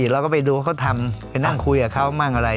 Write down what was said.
เราก็ไปดูเขาทำไปนั่งคุยกับเขามั่งอะไร